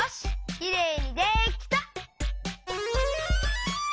きれいにできた！